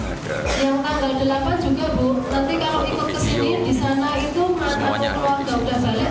ada catering ada video semuanya ada di sini